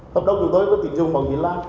tập đồng chúng tôi có tiền dùng bằng tiền là